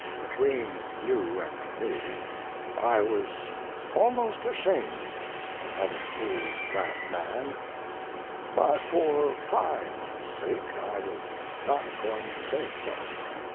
Between you and me, I was almost ashamed of having fooled that man, but for pride's sake I was not going to say so.